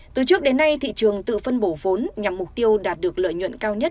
từ trước đến nay thị trường tự phân bổ vốn nhằm mục tiêu đạt được lợi nhuận cao nhất